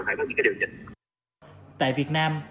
tại việt nam